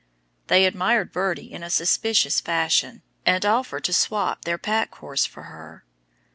They admired Birdie in a suspicious fashion, and offered to "swop" their pack horse for her.